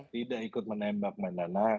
tidak ikut menembak mbak nana